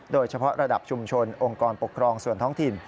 โดยเฉพาะระดับชุมชนองค์กรปกครองส่วนท้องถิ่น